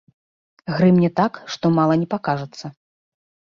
Грымне так, што мала не пакажацца.